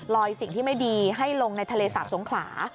สิ่งที่ไม่ดีให้ลงในทะเลสาบสงขลา